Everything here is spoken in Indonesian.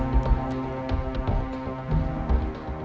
ya ada tiga orang